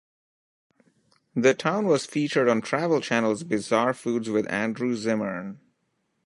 The town was featured on Travel Channel's Bizarre Foods with Andrew Zimmern.